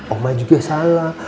oma juga salah